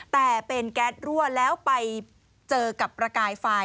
แต่เป็นแก๊สรั่วแล้วไปเจอกับประกายไฟ